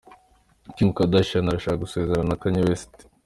Kimu kadashiyani arashaka gusezerana na Kanye Wesiti